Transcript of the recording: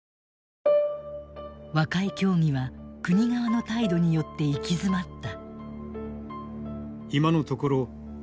和解協議は国側の態度によって行き詰まった。